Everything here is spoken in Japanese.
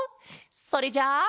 それじゃあ。